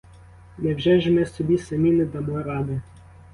Невже ж ми собі самі не дамо ради?